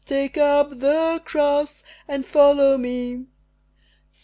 take up the Cross and follow Me."